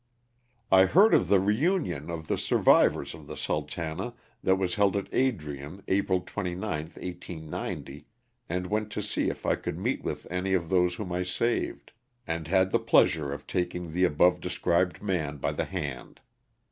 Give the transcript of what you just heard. I heard of the reunion of the survivors of the ''Sultana.'* that was held at Adrian, April 29, 1890, and went to see if I could meet with any of those whom I saved, and had the pleasure of taking the above described man by the hand.